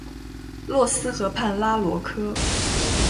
洛斯河畔拉罗科。